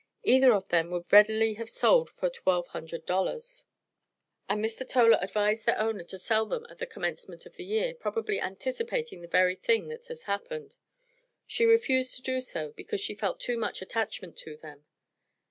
Either of them would readily have sold for $1200; and Mr. Toler advised their owner to sell them at the commencement of the year, probably anticipating the very thing that has happened. She refused to do so, because she felt too much attachment to them.